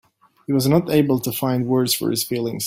He was not able to find words for his feelings.